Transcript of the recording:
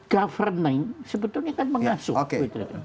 governing sebetulnya kan mengasuh